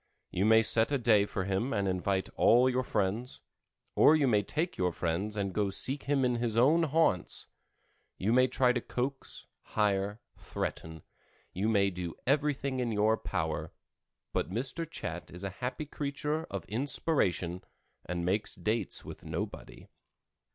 You may set a day for him and invite all your friends, or you may take your friends and go seek him in his own haunts; you may try to coax, hire, threaten; you may do everything in your power; but Mr. Chat is a happy creature of inspiration, and makes dates with nobody.